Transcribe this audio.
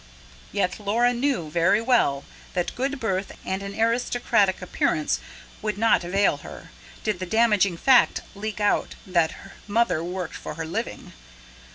Yet Laura knew very well that good birth and an aristocratic appearance would not avail her, did the damaging fact leak out that Mother worked for her living.